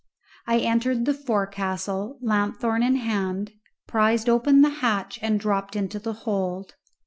I entered the forecastle, lanthorn in hand, prized open the hatch and dropped into the hold.